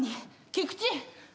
菊池。